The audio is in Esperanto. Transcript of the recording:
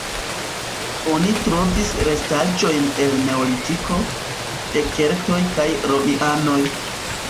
Oni trovis restaĵojn el neolitiko, de keltoj kaj romianoj.